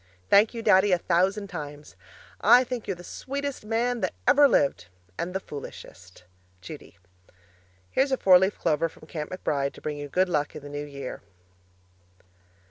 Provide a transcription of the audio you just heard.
Thank you, Daddy, a thousand times. I think you're the sweetest man that ever lived and the foolishest! Judy Here's a four leaf clover from Camp McBride to bring you good luck for the New Year.